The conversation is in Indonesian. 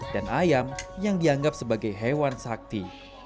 dan ayam yang dianggap sebagai hewan sakti